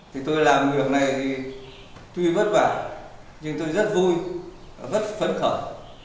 thì tôi làm việc này thì tuy vất vả nhưng tôi rất vui rất phấn khởi